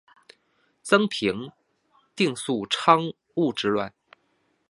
曾平定宕昌羌之乱。